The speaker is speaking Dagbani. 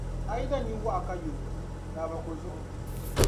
A yi da nyuwɔɣu ka yo, laabako zuɣu.